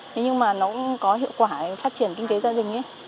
thế nhưng mà nó cũng có hiệu quả để phát triển kinh tế gia đình